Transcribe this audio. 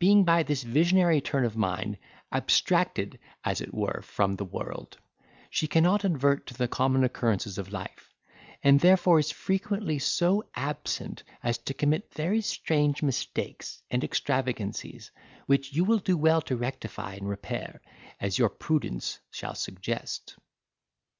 Being by this visionary turn of mind abstracted as it were from the world, she cannot advert to the common occurrences of life; and therefore is frequently so absent as to commit very strange mistakes and extravagancies, which you will do well to rectify and repair, as your prudence shall suggest."